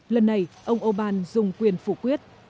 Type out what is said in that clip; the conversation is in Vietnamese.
lần này ông oban dùng quyền phủ quyết